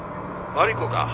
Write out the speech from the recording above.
「マリコか？